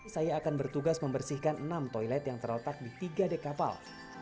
saya akan bertugas membersihkan enam toilet yang terletak di tiga dek kapal